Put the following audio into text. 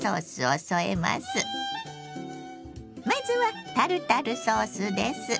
まずはタルタルソースです。